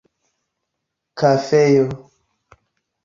kafejo